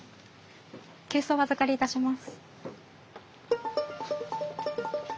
急須お預かりいたします。